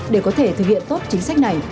để có thể thực hiện tốt chính sách này